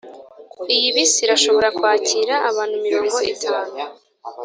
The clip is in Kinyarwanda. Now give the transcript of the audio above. iyi bisi irashobora kwakira abantu mirongo itanu.